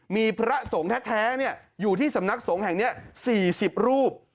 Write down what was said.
มีพระสงฆ์แท้อยู่ที่สำนักสงฆ์แห่งนี้๔๐รูป